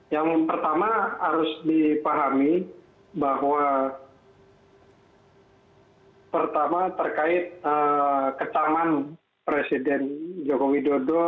yang pertama harus dipahami bahwa pertama terkait ketangan presiden jokowi dodo